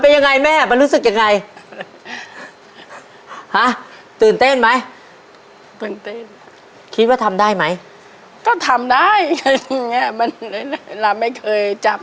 ยังเหลือหลายถั่วและก็นมสดนะครับ